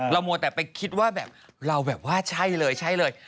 เรามัวแต่ไปคิดว่าแบบเราแบบว่าใช่เลย